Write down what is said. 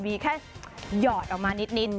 มีแค่หยอดออกมานิด